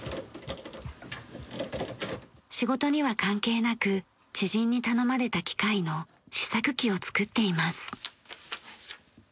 仕事には関係なく知人に頼まれた機械の試作機を作っています。